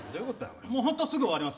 もう本当、すぐ終わります。